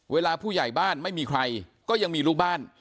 ผู้ใหญ่บ้านไม่มีใครก็ยังมีลูกบ้าน